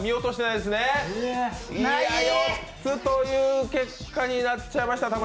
いや、４つという結果になっちゃいました。